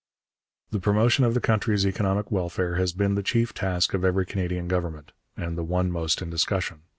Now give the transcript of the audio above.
The promotion of the country's economic welfare has been the chief task of every Canadian Government, and the one most in discussion.